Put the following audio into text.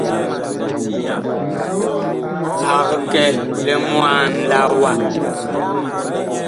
Ag kɛ limwaan la wa.